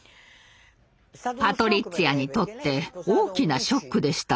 パトリッツィアにとって大きなショックでした。